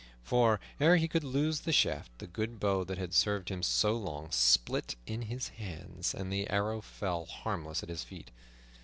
For, ere he could loose the shaft, the good bow that had served him so long, split in his hands, and the arrow fell harmless at his feet.